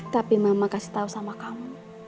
tapi mama kasih tahu sama kamu